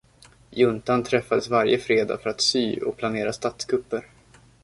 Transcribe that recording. Juntan träffades varje fredag för att sy och planera statskupper.